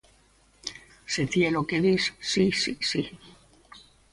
Se ti élo que dis: "si, si, si..."